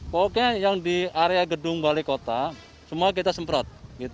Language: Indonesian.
pokoknya yang di area gedung balai kota semua kita semprot